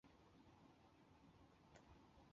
去柔然迎文帝悼皇后郁久闾氏。